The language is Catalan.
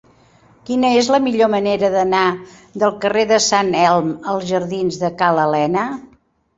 Quina és la millor manera d'anar del carrer de Sant Elm als jardins de Ca l'Alena?